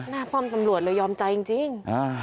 หน้าพร้อมสำรวจเลยยอมใจจริง